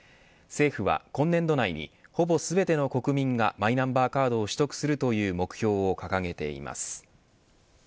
政府は今年度内にほぼ全ての国民がマイナンバーカードを取得するという目標を掲げています。